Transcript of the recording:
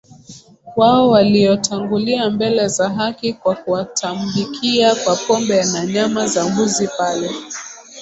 wao waliotangulia mbele za haki kwa kuwatambikia kwa pombe na nyama za mbuzi pale